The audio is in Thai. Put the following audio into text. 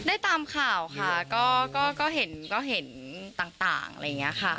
ได้ตามข่าวค่ะก็ก็เห็นต่างค่ะ